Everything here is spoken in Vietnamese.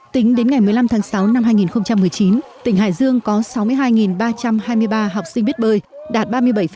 tính đến ngày một mươi năm tháng sáu năm hai nghìn một mươi chín tỉnh hải dương có sáu mươi hai ba trăm hai mươi ba học sinh biết bơi đạt ba mươi bảy